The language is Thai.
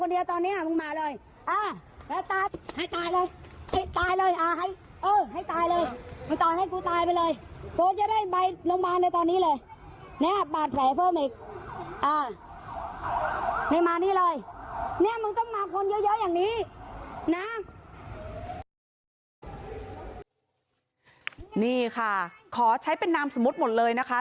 นี่ค่ะขอใช้เป็นนามสมมุติหมดเลยนะคะ